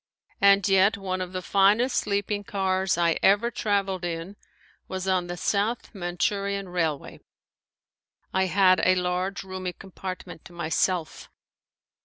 And yet one of the finest sleeping cars I ever traveled in was on the South Manchurian railway. I had a large roomy compartment to myself.